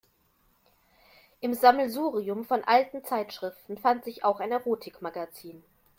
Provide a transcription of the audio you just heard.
Im Sammelsurium von alten Zeitschriften fand sich auch ein Erotikmagazin.